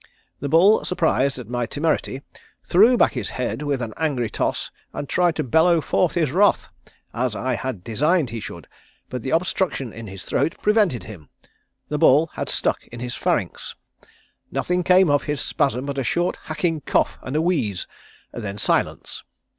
The bull surprised at my temerity threw his head back with an angry toss and tried to bellow forth his wrath, as I had designed he should, but the obstruction in his throat prevented him. The ball had stuck in his pharynx. Nothing came of his spasm but a short hacking cough and a wheeze then silence.